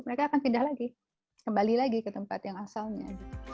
mereka akan pindah lagi kembali lagi ke tempat yang asalnya